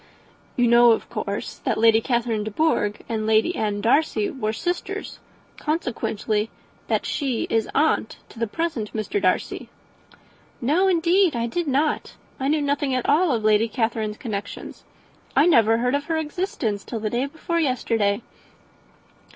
"You know of course that Lady Catherine de Bourgh and Lady Anne Darcy were sisters; consequently that she is aunt to the present Mr. Darcy." "No, indeed, I did not. I knew nothing at all of Lady Catherine's connections. I never heard of her existence till the day before yesterday."